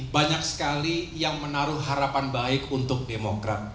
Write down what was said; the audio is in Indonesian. banyak sekali yang menaruh harapan baik untuk demokrat